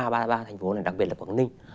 ba thành phố này đặc biệt là quảng ninh